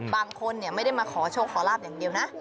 บางคนไม่ได้มาขอโชคขอลาบอย่างเดียวนะ